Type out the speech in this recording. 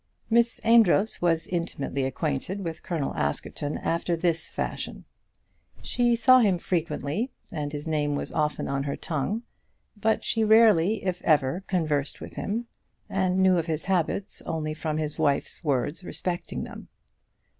Miss Amedroz was intimately acquainted with Colonel Askerton after this fashion. She saw him very frequently, and his name was often on her tongue; but she rarely, if ever, conversed with him, and knew of his habits only from his wife's words respecting them.